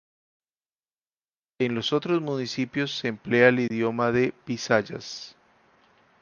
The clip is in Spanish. En los otros municipios se emplea el idioma de Visayas.